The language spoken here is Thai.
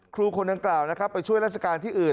ครูคนดังกล่าวนะครับไปช่วยราชการที่อื่น